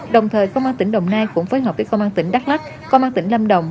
đồng thời công an tỉnh đồng nai cũng phối hợp với công an tỉnh đắk lắc công an tỉnh lâm đồng